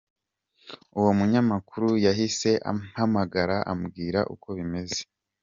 Uwo munyamakuru yahise ampamagara ambwira uko bimeze.